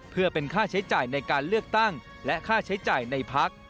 เพื่อเป็นค่าใช้จ่ายในการเลือกตั้งและค่าใช้จ่ายในพัก